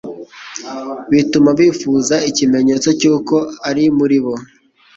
bituma bifuza ikimenyetso cy’uko ari muri bo.